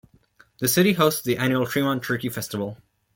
The city hosts the annual Tremont Turkey Festival.